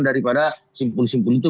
daripada simpul simpul itu